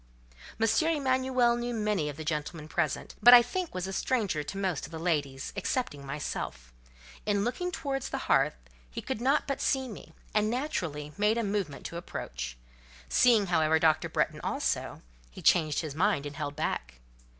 M. Emanuel knew many of the gentlemen present, but I think was a stranger to most of the ladies, excepting myself; in looking towards the hearth, he could not but see me, and naturally made a movement to approach; seeing, however, Dr. Bretton also, he changed his mind and held back.